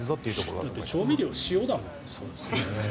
だって調味料、塩だもん。